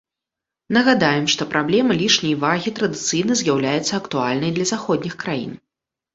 Нагадаем, што праблема лішняй вагі традыцыйна з'яўляецца актуальнай для заходніх краін.